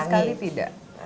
sama sekali tidak